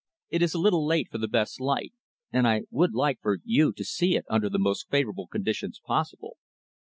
It is a little late for the best light; and I would like for you to see it under the most favorable conditions possible."